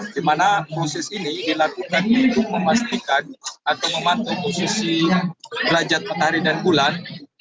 di mana proses ini dilakukan untuk memastikan atau memantau posisi derajat matahari dan bulan